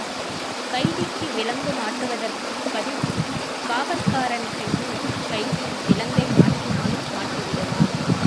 கைதிக்கு விலங்கு மாட்டுவதற்குப் பதில் காவற்காரன் கையில் கைதி விலங்கை மாட்டினாலும் மாட்டிவிடுவான்.